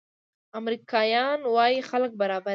امریکایان وايي خلک برابر دي.